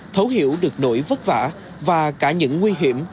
thấu hiểu được nỗi vất vả và cả những nguy hiểm